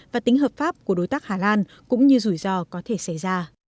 và tính hợp pháp của đối tác hà lan cũng như rủi ro có thể xảy ra